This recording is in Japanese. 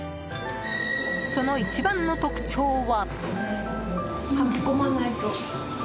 その一番の特徴は。